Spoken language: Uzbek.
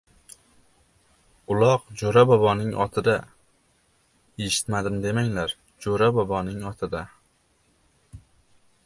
— Uloq Jo‘ra boboning otida! Eshitmadim demanglar, Jo‘ra boboning otida!